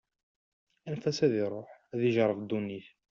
Anef-as ad iṛuḥ, ad ijeṛṛeb ddunit.